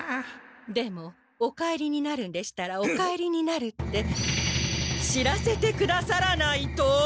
でもお帰りになるんでしたらお帰りになるって知らせてくださらないと！